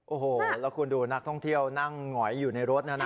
โอ้โหแล้วคุณดูนักท่องเที่ยวนั่งหงอยอยู่ในรถนะนะ